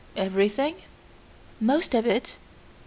"Everything?" "Most of it."